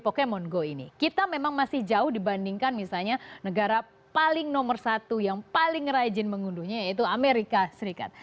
pokemon go ini kita memang masih jauh dibandingkan misalnya negara paling nomor satu yang paling rajin mengunduhnya yaitu amerika serikat